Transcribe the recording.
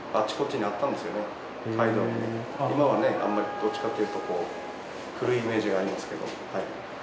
今はねどっちかというとこう古いイメージがありますけど。